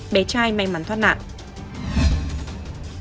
bé trai may mắn thoát nạn